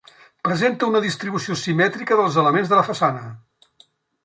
Presenta una distribució simètrica dels elements de la façana.